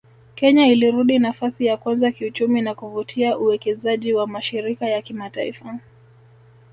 Kenya ilirudi nafasi ya kwanza kiuchumi na kuvutia uwekezaji wa mashirika ya kimataifa